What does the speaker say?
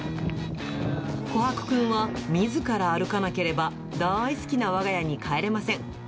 コハクくんはみずから歩かなければ大好きなわが家に帰れません。